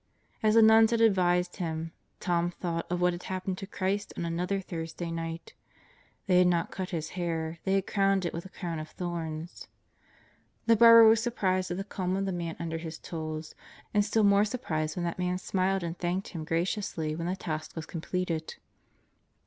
As the nuns had advised him, Tom thought of what had happened to Christ on another Thursday night. They had not cut His hair, they had crowned it with a crown of thorns. The barber was surprised at the calm of the man under his tools, and still more surprised when that man smiled and thanked him graciously when the task was completed.